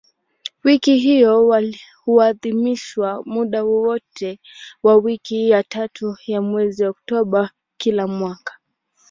Wiki hiyo huadhimishwa muda wote wa wiki ya tatu ya mwezi Oktoba kila mwaka.